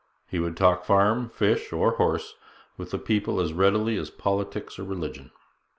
He would talk farm, fish, or horse with the people as readily as politics or religion.